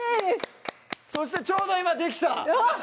そしてちょうど今できた！